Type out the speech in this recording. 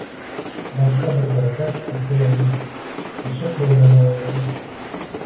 Boshqa bir toifa “bizga yangi, qiyshiq bo‘lmagan oyna kerak